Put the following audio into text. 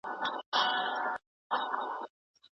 خو زما د مینی رقیبان خبره کله مني